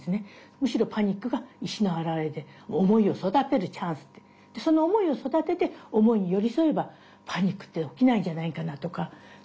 むしろパニックが意思の表れで思いを育てるチャンスででその思いを育てて思いに寄り添えばパニックって起きないんじゃないんかなとか。